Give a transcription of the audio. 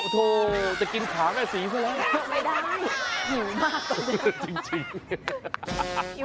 ขาหมูขาแม่ศรีเข้าแล้ว